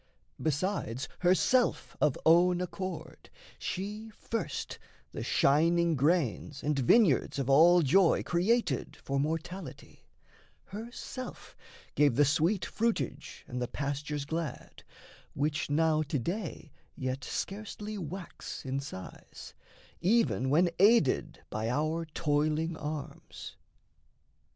Besides, herself of own accord, she first The shining grains and vineyards of all joy Created for mortality; herself Gave the sweet fruitage and the pastures glad, Which now to day yet scarcely wax in size, Even when aided by our toiling arms.